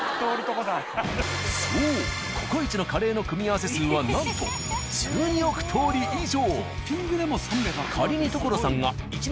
そう「ココイチ」のカレーの組み合わせ数はなんと１２億通り以上！